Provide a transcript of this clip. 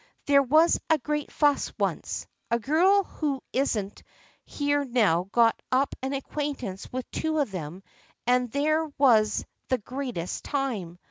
There was a great fuss once. A girl who isn't here now got up an acquaintance with two of them and there was the greatest time.